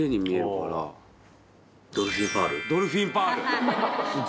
「ドルフィンパール」！